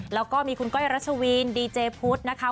แล้วก็มีคุณก้อยรัชวีนดีเจพุทธนะคะ